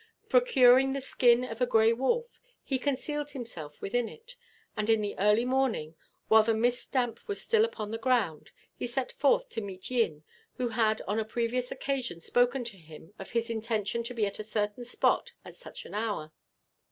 Procuring the skin of a grey wolf, he concealed himself within it, and in the early morning, while the mist damp was still upon the ground, he set forth to meet Yin, who had on a previous occasion spoken to him of his intention to be at a certain spot at such an hour.